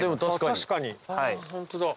確かに。